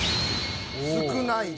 少ないな。